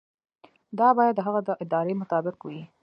دا باید د هغه د ارادې مطابق وي.